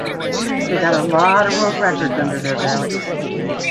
They got a lot of world records under their belt.